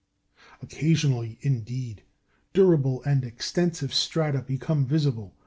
Occasionally, indeed, durable and extensive strata become visible.